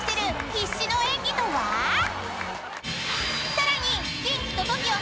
［さらに］